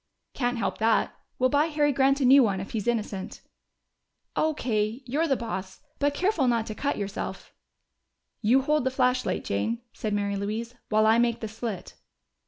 "Can't help that. We'll buy Harry Grant a new one if he's innocent." "O.K. You're the boss. Be careful not to cut yourself." "You hold the flashlight, Jane," said Mary Louise. "While I make the slit."